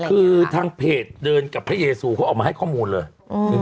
คือทางเพจเดินกับพระเยซูออกมาให้ข้อมูลหนึ่งค่ะ